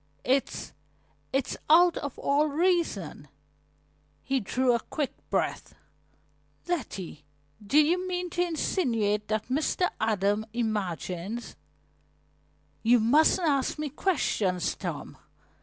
It's it's out of all reason." He drew a quick breath. "Letty, do you mean to insinuate that Mr. Adams imagines " "You mustn't ask me questions, Tom.